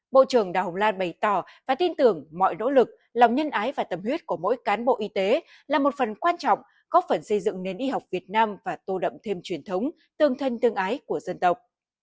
bộ trưởng đào hồng lan bày tỏ và tin tưởng mọi nỗ lực lòng nhân ái và tâm huyết của mỗi cán bộ y tế là một phần quan trọng góp phần xây dựng nền y học việt nam và tô đậm thêm truyền thống tương thân tương ái của dân tộc